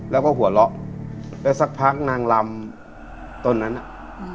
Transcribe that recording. แล้วก็หัวเราะแล้วสักพักนางลำต้นนั้นอ่ะอืม